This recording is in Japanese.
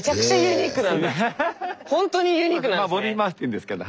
ほんとにユニークなんですね。